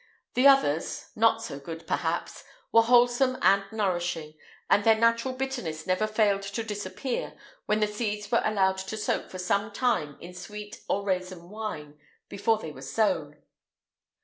[IX 177] The others, not so good, perhaps, were wholesome and nourishing, and their natural bitterness never failed to disappear, when the seeds were allowed to soak for some time in sweet or raisin wine before they were sown.